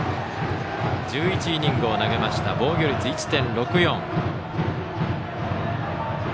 １１イニングを投げて防御率１．６４。